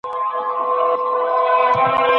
هغه سرتیري چي جرئت نه لري طالع هم نه لري.